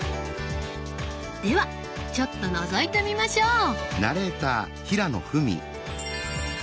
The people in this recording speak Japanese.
ではちょっとのぞいてみましょう！